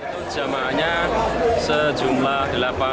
calon jamaahnya sejumlah delapan puluh delapan